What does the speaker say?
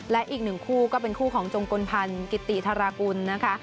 และอีกหนึ่งคู่ก็เป็นคู่ของจงกลพันธ์กิติธารากุลนะคะ